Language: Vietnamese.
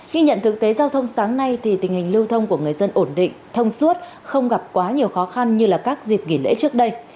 ghi nhận thực tế giao thông sáng nay tình hình lưu thông của người dân ổn định thông suốt không gặp quá nhiều khó khăn như các dịp nghỉ lễ trước đây